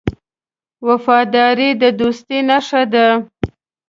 وفاداري د دوستۍ نښه ده.